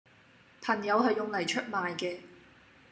朋友係用黎出賣既